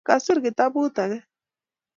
Kaser kitabut akee